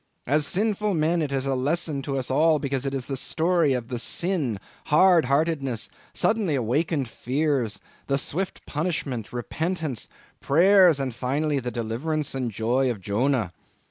As sinful men, it is a lesson to us all, because it is a story of the sin, hard heartedness, suddenly awakened fears, the swift punishment, repentance, prayers, and finally the deliverance and joy of Jonah.